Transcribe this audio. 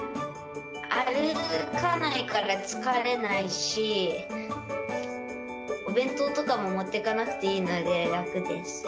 歩かないから疲れないし、お弁当とかも持ってかなくていいので楽です。